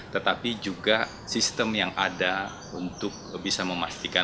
tetapi juga sistem yang ada untuk bisa memastikan